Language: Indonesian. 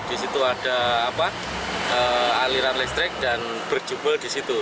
di situ ada aliran listrik dan berjubel di situ